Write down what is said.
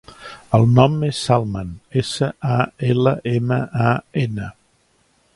El nom és Salman: essa, a, ela, ema, a, ena.